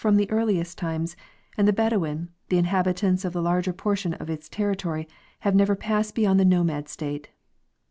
the earliest times, and the bedouin, the inhabitants of the larger portion of its territory, have never passed beyond the nomad state.